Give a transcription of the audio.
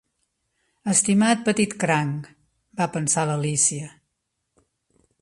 "Estimat petit cranc!" va pensar l'Alícia.